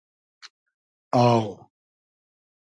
آو